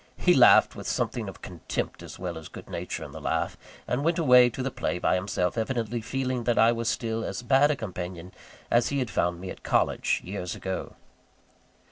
He laughed, with something of contempt as well as good nature in the laugh; and went away to the play by himself evidently feeling that I was still as bad a companion as he had found me at college, years ago.